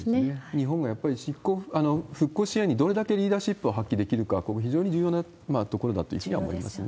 日本がやっぱり、復興支援にどれだけリーダーシップを発揮できるか、ここ、非常に重要なところだというふうに思いますね。